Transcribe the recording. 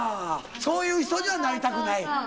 そういう人にはなりたくない？」